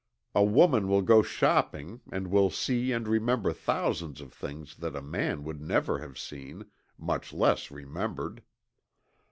A woman will go shopping and will see and remember thousands of things that a man would never have seen, much less remembered.